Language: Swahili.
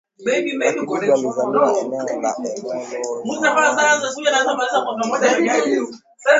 Lucky Dube alizaliwa eneo la Ermelo zamani lilikuwa eneo la Transvaal ya Mashariki